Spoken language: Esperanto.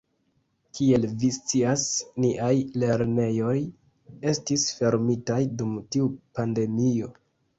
Kiel vi scias, niaj lernejoj estis fermitaj dum tiu pandemio.